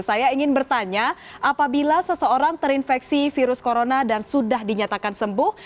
saya ingin bertanya apabila seseorang terinfeksi virus corona dan sudah dinyatakan sembuh